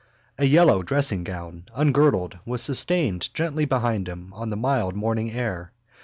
A yellow dressinggown, ungirdled, was sustained gently behind him on the mild morning air.